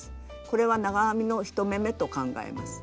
これは長編みの１目めと考えます。